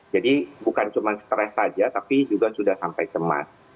jadi bukan cuma stress saja tapi juga sudah sampai cemas